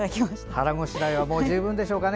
腹ごしらえは十分でしょうかね。